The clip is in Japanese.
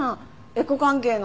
エコ関係の。